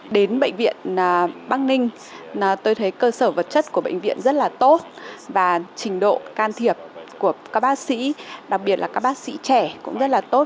đến bệnh viện bắc ninh tôi thấy cơ sở vật chất của bệnh viện rất là tốt và trình độ can thiệp của các bác sĩ đặc biệt là các bác sĩ trẻ cũng rất là tốt